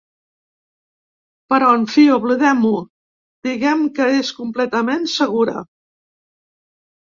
Però, en fi, oblidem-ho, diguem que és completament segura.